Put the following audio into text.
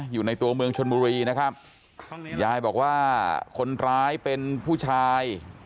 อยู่ในตัวเมืองชนบุรีนะครับยายบอกว่าคนร้ายเป็นผู้ชาย